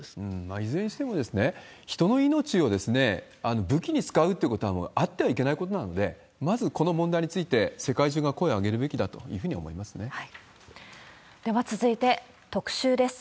いずれにしても、人の命を武器に使うってことは、もうあってはいけないことなので、まずこの問題について世界中が声を上げるべきだというふうに思いでは続いて特集です。